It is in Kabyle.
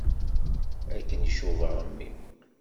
Akken i cubaɣ mmi.